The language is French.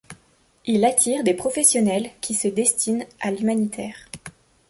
Il attire des professionnels qui se destinent à l’humanitaire.